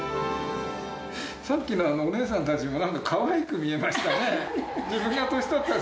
さっきのお姉さんたちもなんかかわいく見えましたね。